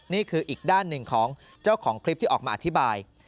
นี่คืออีกด้านหนึ่งของเจ้าของคลิปที่ออกมาอธิบาย